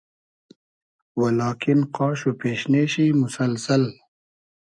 و لاکین قاش وپېشنې شی موسئلسئل